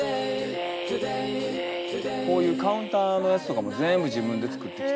こういうカウンターのやつとかも全部自分で作ってきて。